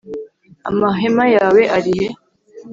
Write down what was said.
amahema yawe arihe